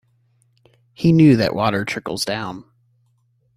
He knew that water trickles down.